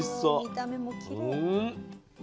見た目もきれい。